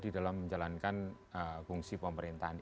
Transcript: di dalam menjalankan fungsi pemerintahan